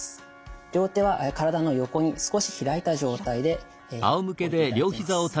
両手は体の横に少し開いた状態で置いていただきます。